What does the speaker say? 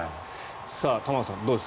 玉川さん、どうです？